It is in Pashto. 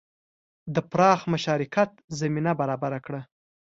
د پراخ مشارکت زمینه برابره کړه.